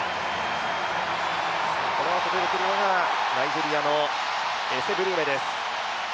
このあと出てくるのがナイジェリアのエセ・ブルーメです。